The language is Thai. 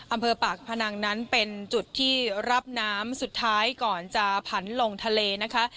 อำเภอปากพนังนั้นเป็นจุดที่รับน้ำสุดท้ายก่อนจะผันลงทะเลนะคะ